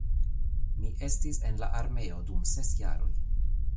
Mi estis en la armeo dum ses jaroj